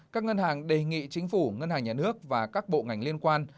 các ngân hàng đề nghị chính phủ ngân hàng nhà nước và các bộ ngành liên quan